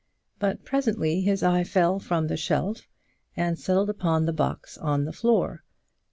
But presently his eye fell from the shelf and settled upon the box on the floor.